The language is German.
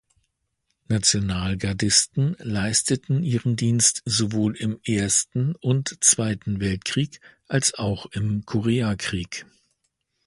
Nationalgardisten leisteten ihren Dienst sowohl im Ersten und Zweiten Weltkrieg als auch im Koreakrieg.